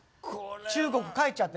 中国に帰っちゃって。